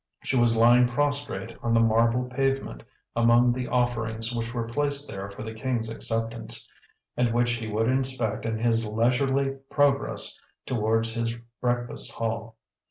She was lying prostrate on the marble pavement among the offerings which were placed there for the king's acceptance, and which he would inspect in his leisurely progress towards his breakfast hall.